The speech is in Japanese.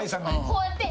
こうやって。